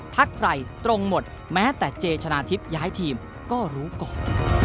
ทักไหลตรงหมดแม้แต่เจชนะทิศย้ายทีมก็รู้ก่อน